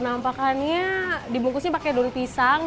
mas makannya dibungkusnya pakai dolipisang